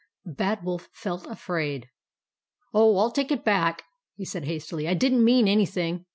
The Bad Wolf felt afraid. " Oh, I 11 take it back," he said hastily. " I did n't mean anything.